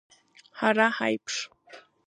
Ҳара ҳаиԥш!